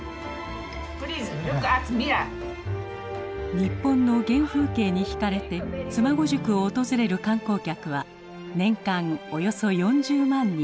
日本の原風景にひかれて妻籠宿を訪れる観光客は年間およそ４０万人。